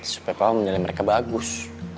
supaya papa menilai mereka bagus